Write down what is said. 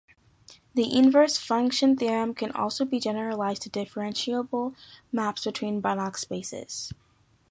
The inverse function theorem can also be generalized to differentiable maps between Banach spaces.